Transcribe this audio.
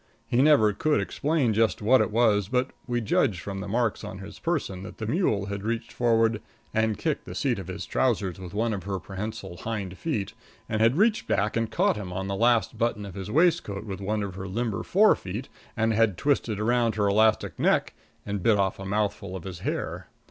He never could explain just what it was, but we judged from the marks on his person that the mule had reached forward and kicked the seat of his trousers with one of her prehensile hind feet; and had reached back and caught him on the last button of his waistcoat with one of her limber fore feet; and had twisted around her elastic neck and bit off a mouthful of his hair.